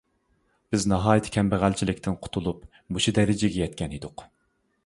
-بىز ناھايىتى كەمبەغەلچىلىكتىن قۇتۇلۇپ مۇشۇ دەرىجىگە يەتكەن ئىدۇق.